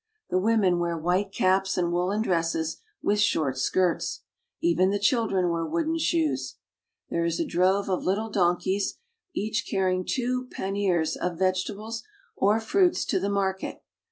The women wear white caps and woolen dresses with short skirts. Even the children wear wooden shoes. There is a drove of little donkeys, each carrying two pan niers of vegetables or fruits to the market.